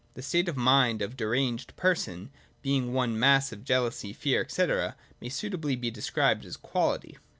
The state of mind of a deranged person, being one mass of jealousy, fear, &c., may suitably be described as Quality.